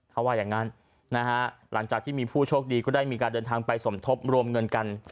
เขาว่าอย่างนั้นนะฮะหลังจากที่มีผู้โชคดีก็ได้มีการเดินทางไปสมทบรวมเงินกัน